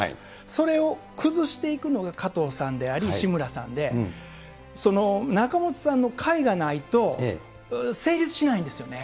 それを崩していくのが加藤さんであり、志村さんで、仲本さんのかいがないと、成立しないんですよね。